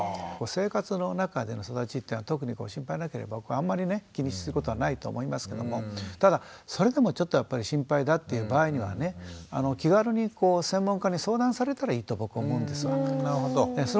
生活の中での育ちっていうのが特にご心配なければあんまりね気にすることはないと思いますけどもただそれでもちょっとやっぱり心配だっていう場合にはね気軽に専門家に相談されたらいいと僕は思うんですよね。